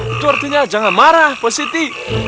itu artinya jangan marah pak siti